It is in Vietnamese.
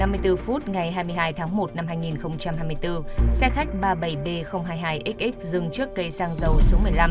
một mươi h năm mươi bốn phút ngày hai mươi hai tháng một năm hai nghìn hai mươi bốn xe khách ba mươi bảy b hai mươi hai xx dừng trước cây sang dầu số một mươi năm